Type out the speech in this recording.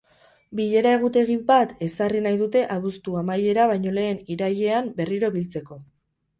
Bilera-egutegi bat ezarri nahi dute abuztu amaiera baino lehen, irailean berriro biltzeko.